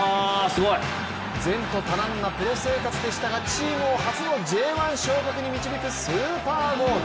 前途多難なプロ生活でしたが、チームを初のＪ１昇格に導くスーパーゴール。